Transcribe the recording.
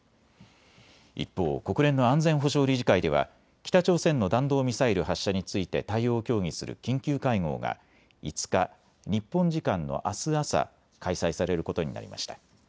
一方、国連の安全保障理事会では北朝鮮の弾道ミサイル発射について対応を協議する緊急会合が５日、日本時間のあす朝、開催されることになりました。